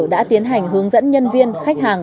đã tiến hành hướng dẫn nhân viên khách hàng